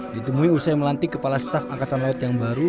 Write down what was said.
ditemui usai melantik kepala staf angkatan laut yang baru